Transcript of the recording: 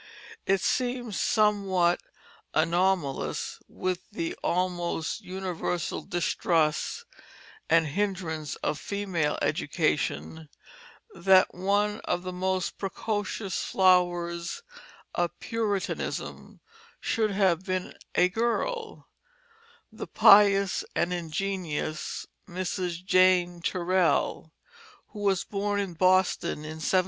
It seems somewhat anomalous with the almost universal distrust and hindrance of female education that one of the most precocious flowers of Puritanism should have been a girl, the "pious and ingenious Mrs. Jane Turell," who was born in Boston in 1708.